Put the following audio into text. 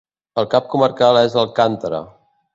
El cap comarcal és Alcántara.